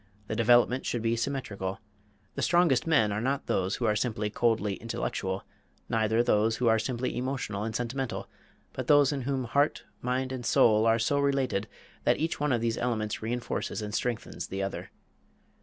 The development should be symmetrical. The strongest men are not those who are simply coldly intellectual, neither those who are simply emotional and sentimental, but those in whom heart, mind, and soul are so related that each one of these elements re enforces and strengthens the others.